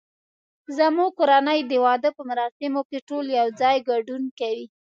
زمونږ کورنۍ د واده په مراسمو کې ټول یو ځای ګډون کوي